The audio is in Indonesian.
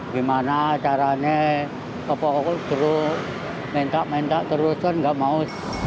gimana caranya ke pohon terus minta minta terus kan nggak mau